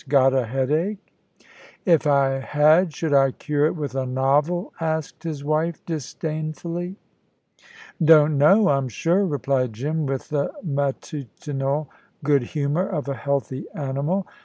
"Got a headache?" "If I had, should I cure it with a novel?" asked his wife, disdainfully. "Don't know, I'm sure," replied Jim, with the matutinal good humour of a healthy animal.